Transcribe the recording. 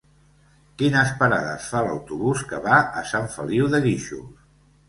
Quines parades fa l'autobús que va a Sant Feliu de Guíxols?